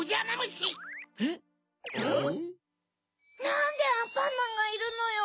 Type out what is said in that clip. なんでアンパンマンがいるのよ！